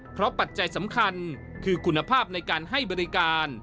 เพราะปัจจัยสำคัญคือคุณภาพในการให้บริการ